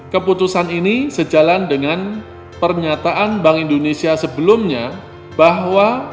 keputusan ini sejalan dengan pernyataan bank indonesia sebelumnya bahwa